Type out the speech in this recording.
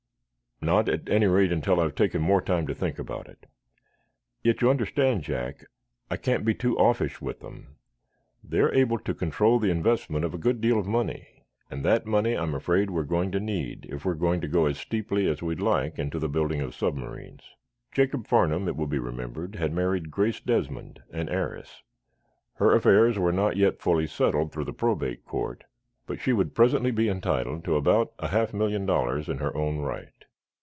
"Not, at any rate, until I've taken more time to think about it. Yet, you understand, Jack, I can't be too offish with them. They are able to control the investment of a good deal of money, and that money I am afraid we are going to need if we are to go as steeply as we'd like into the building of submarines." Jacob Farnum, it will be remembered, had married Grace Desmond, an heiress. Her affairs were not yet fully settled through the probate court, but she would presently be entitled to about a half million dollars in her own right.